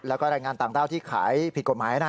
แล้วก็แรงงานต่างด้าวที่ขายผิดกฎหมาย